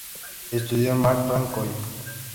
Estudió en el Markham College.